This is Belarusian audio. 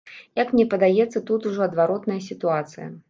Як мне падаецца, тут ужо адваротная сітуацыя.